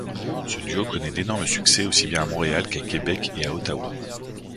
Ce duo connaît d'énormes succès aussi bien à Montréal qu'à Québec et à Ottawa.